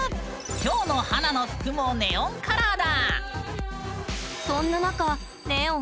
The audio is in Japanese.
今日の華の服もネオンカラーだ！